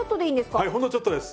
はいほんのちょっとです。